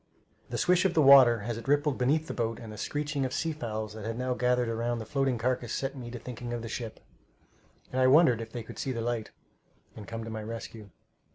The swish of the water as it rippled beneath the boat and the screeching of sea fowls that had now gathered around the floating carcass set me to thinking of the ship, and I wondered if they would see the light and come to my rescue.